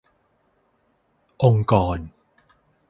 องค์กร